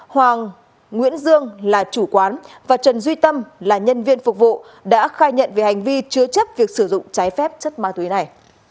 hoàng nguyễn dương là chủ quán và trần duy tâm là nhân viên phục vụ đã khai nhận về hành vi chứa chấp việc sử dụng trái phép chất ma túy này